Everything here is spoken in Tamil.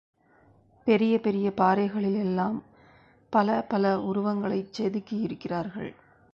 பெரிய பெரிய பாறைகளில் எல்லாம் பல பல உருவங்களைச் செதுக்கியிருக்கிறார்கள்.